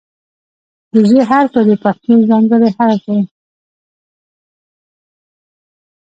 د "ژ" حرف د پښتو ځانګړی حرف دی.